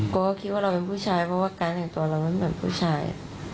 ก็คิดว่าเราเป็นผู้ชายเพราะว่าการแต่งตัวเรามันเหมือนผู้ชาย